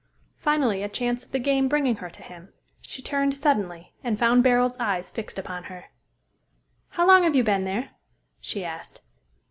Finally a chance of the game bringing her to him, she turned suddenly, and found Barold's eyes fixed upon her. "How long have you been there?" she asked.